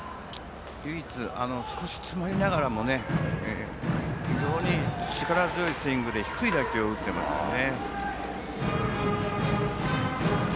少し詰まりながらも非常に力強いスイングで低い打球を打ってますね。